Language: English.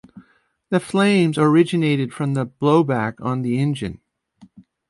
The flames originated from the blowback on the engine.